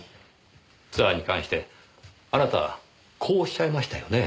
ツアーに関してあなたはこうおっしゃいましたよね。